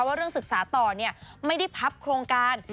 ว่าเรื่องศึกษาต่อเนี่ยไม่ได้พักกรงการ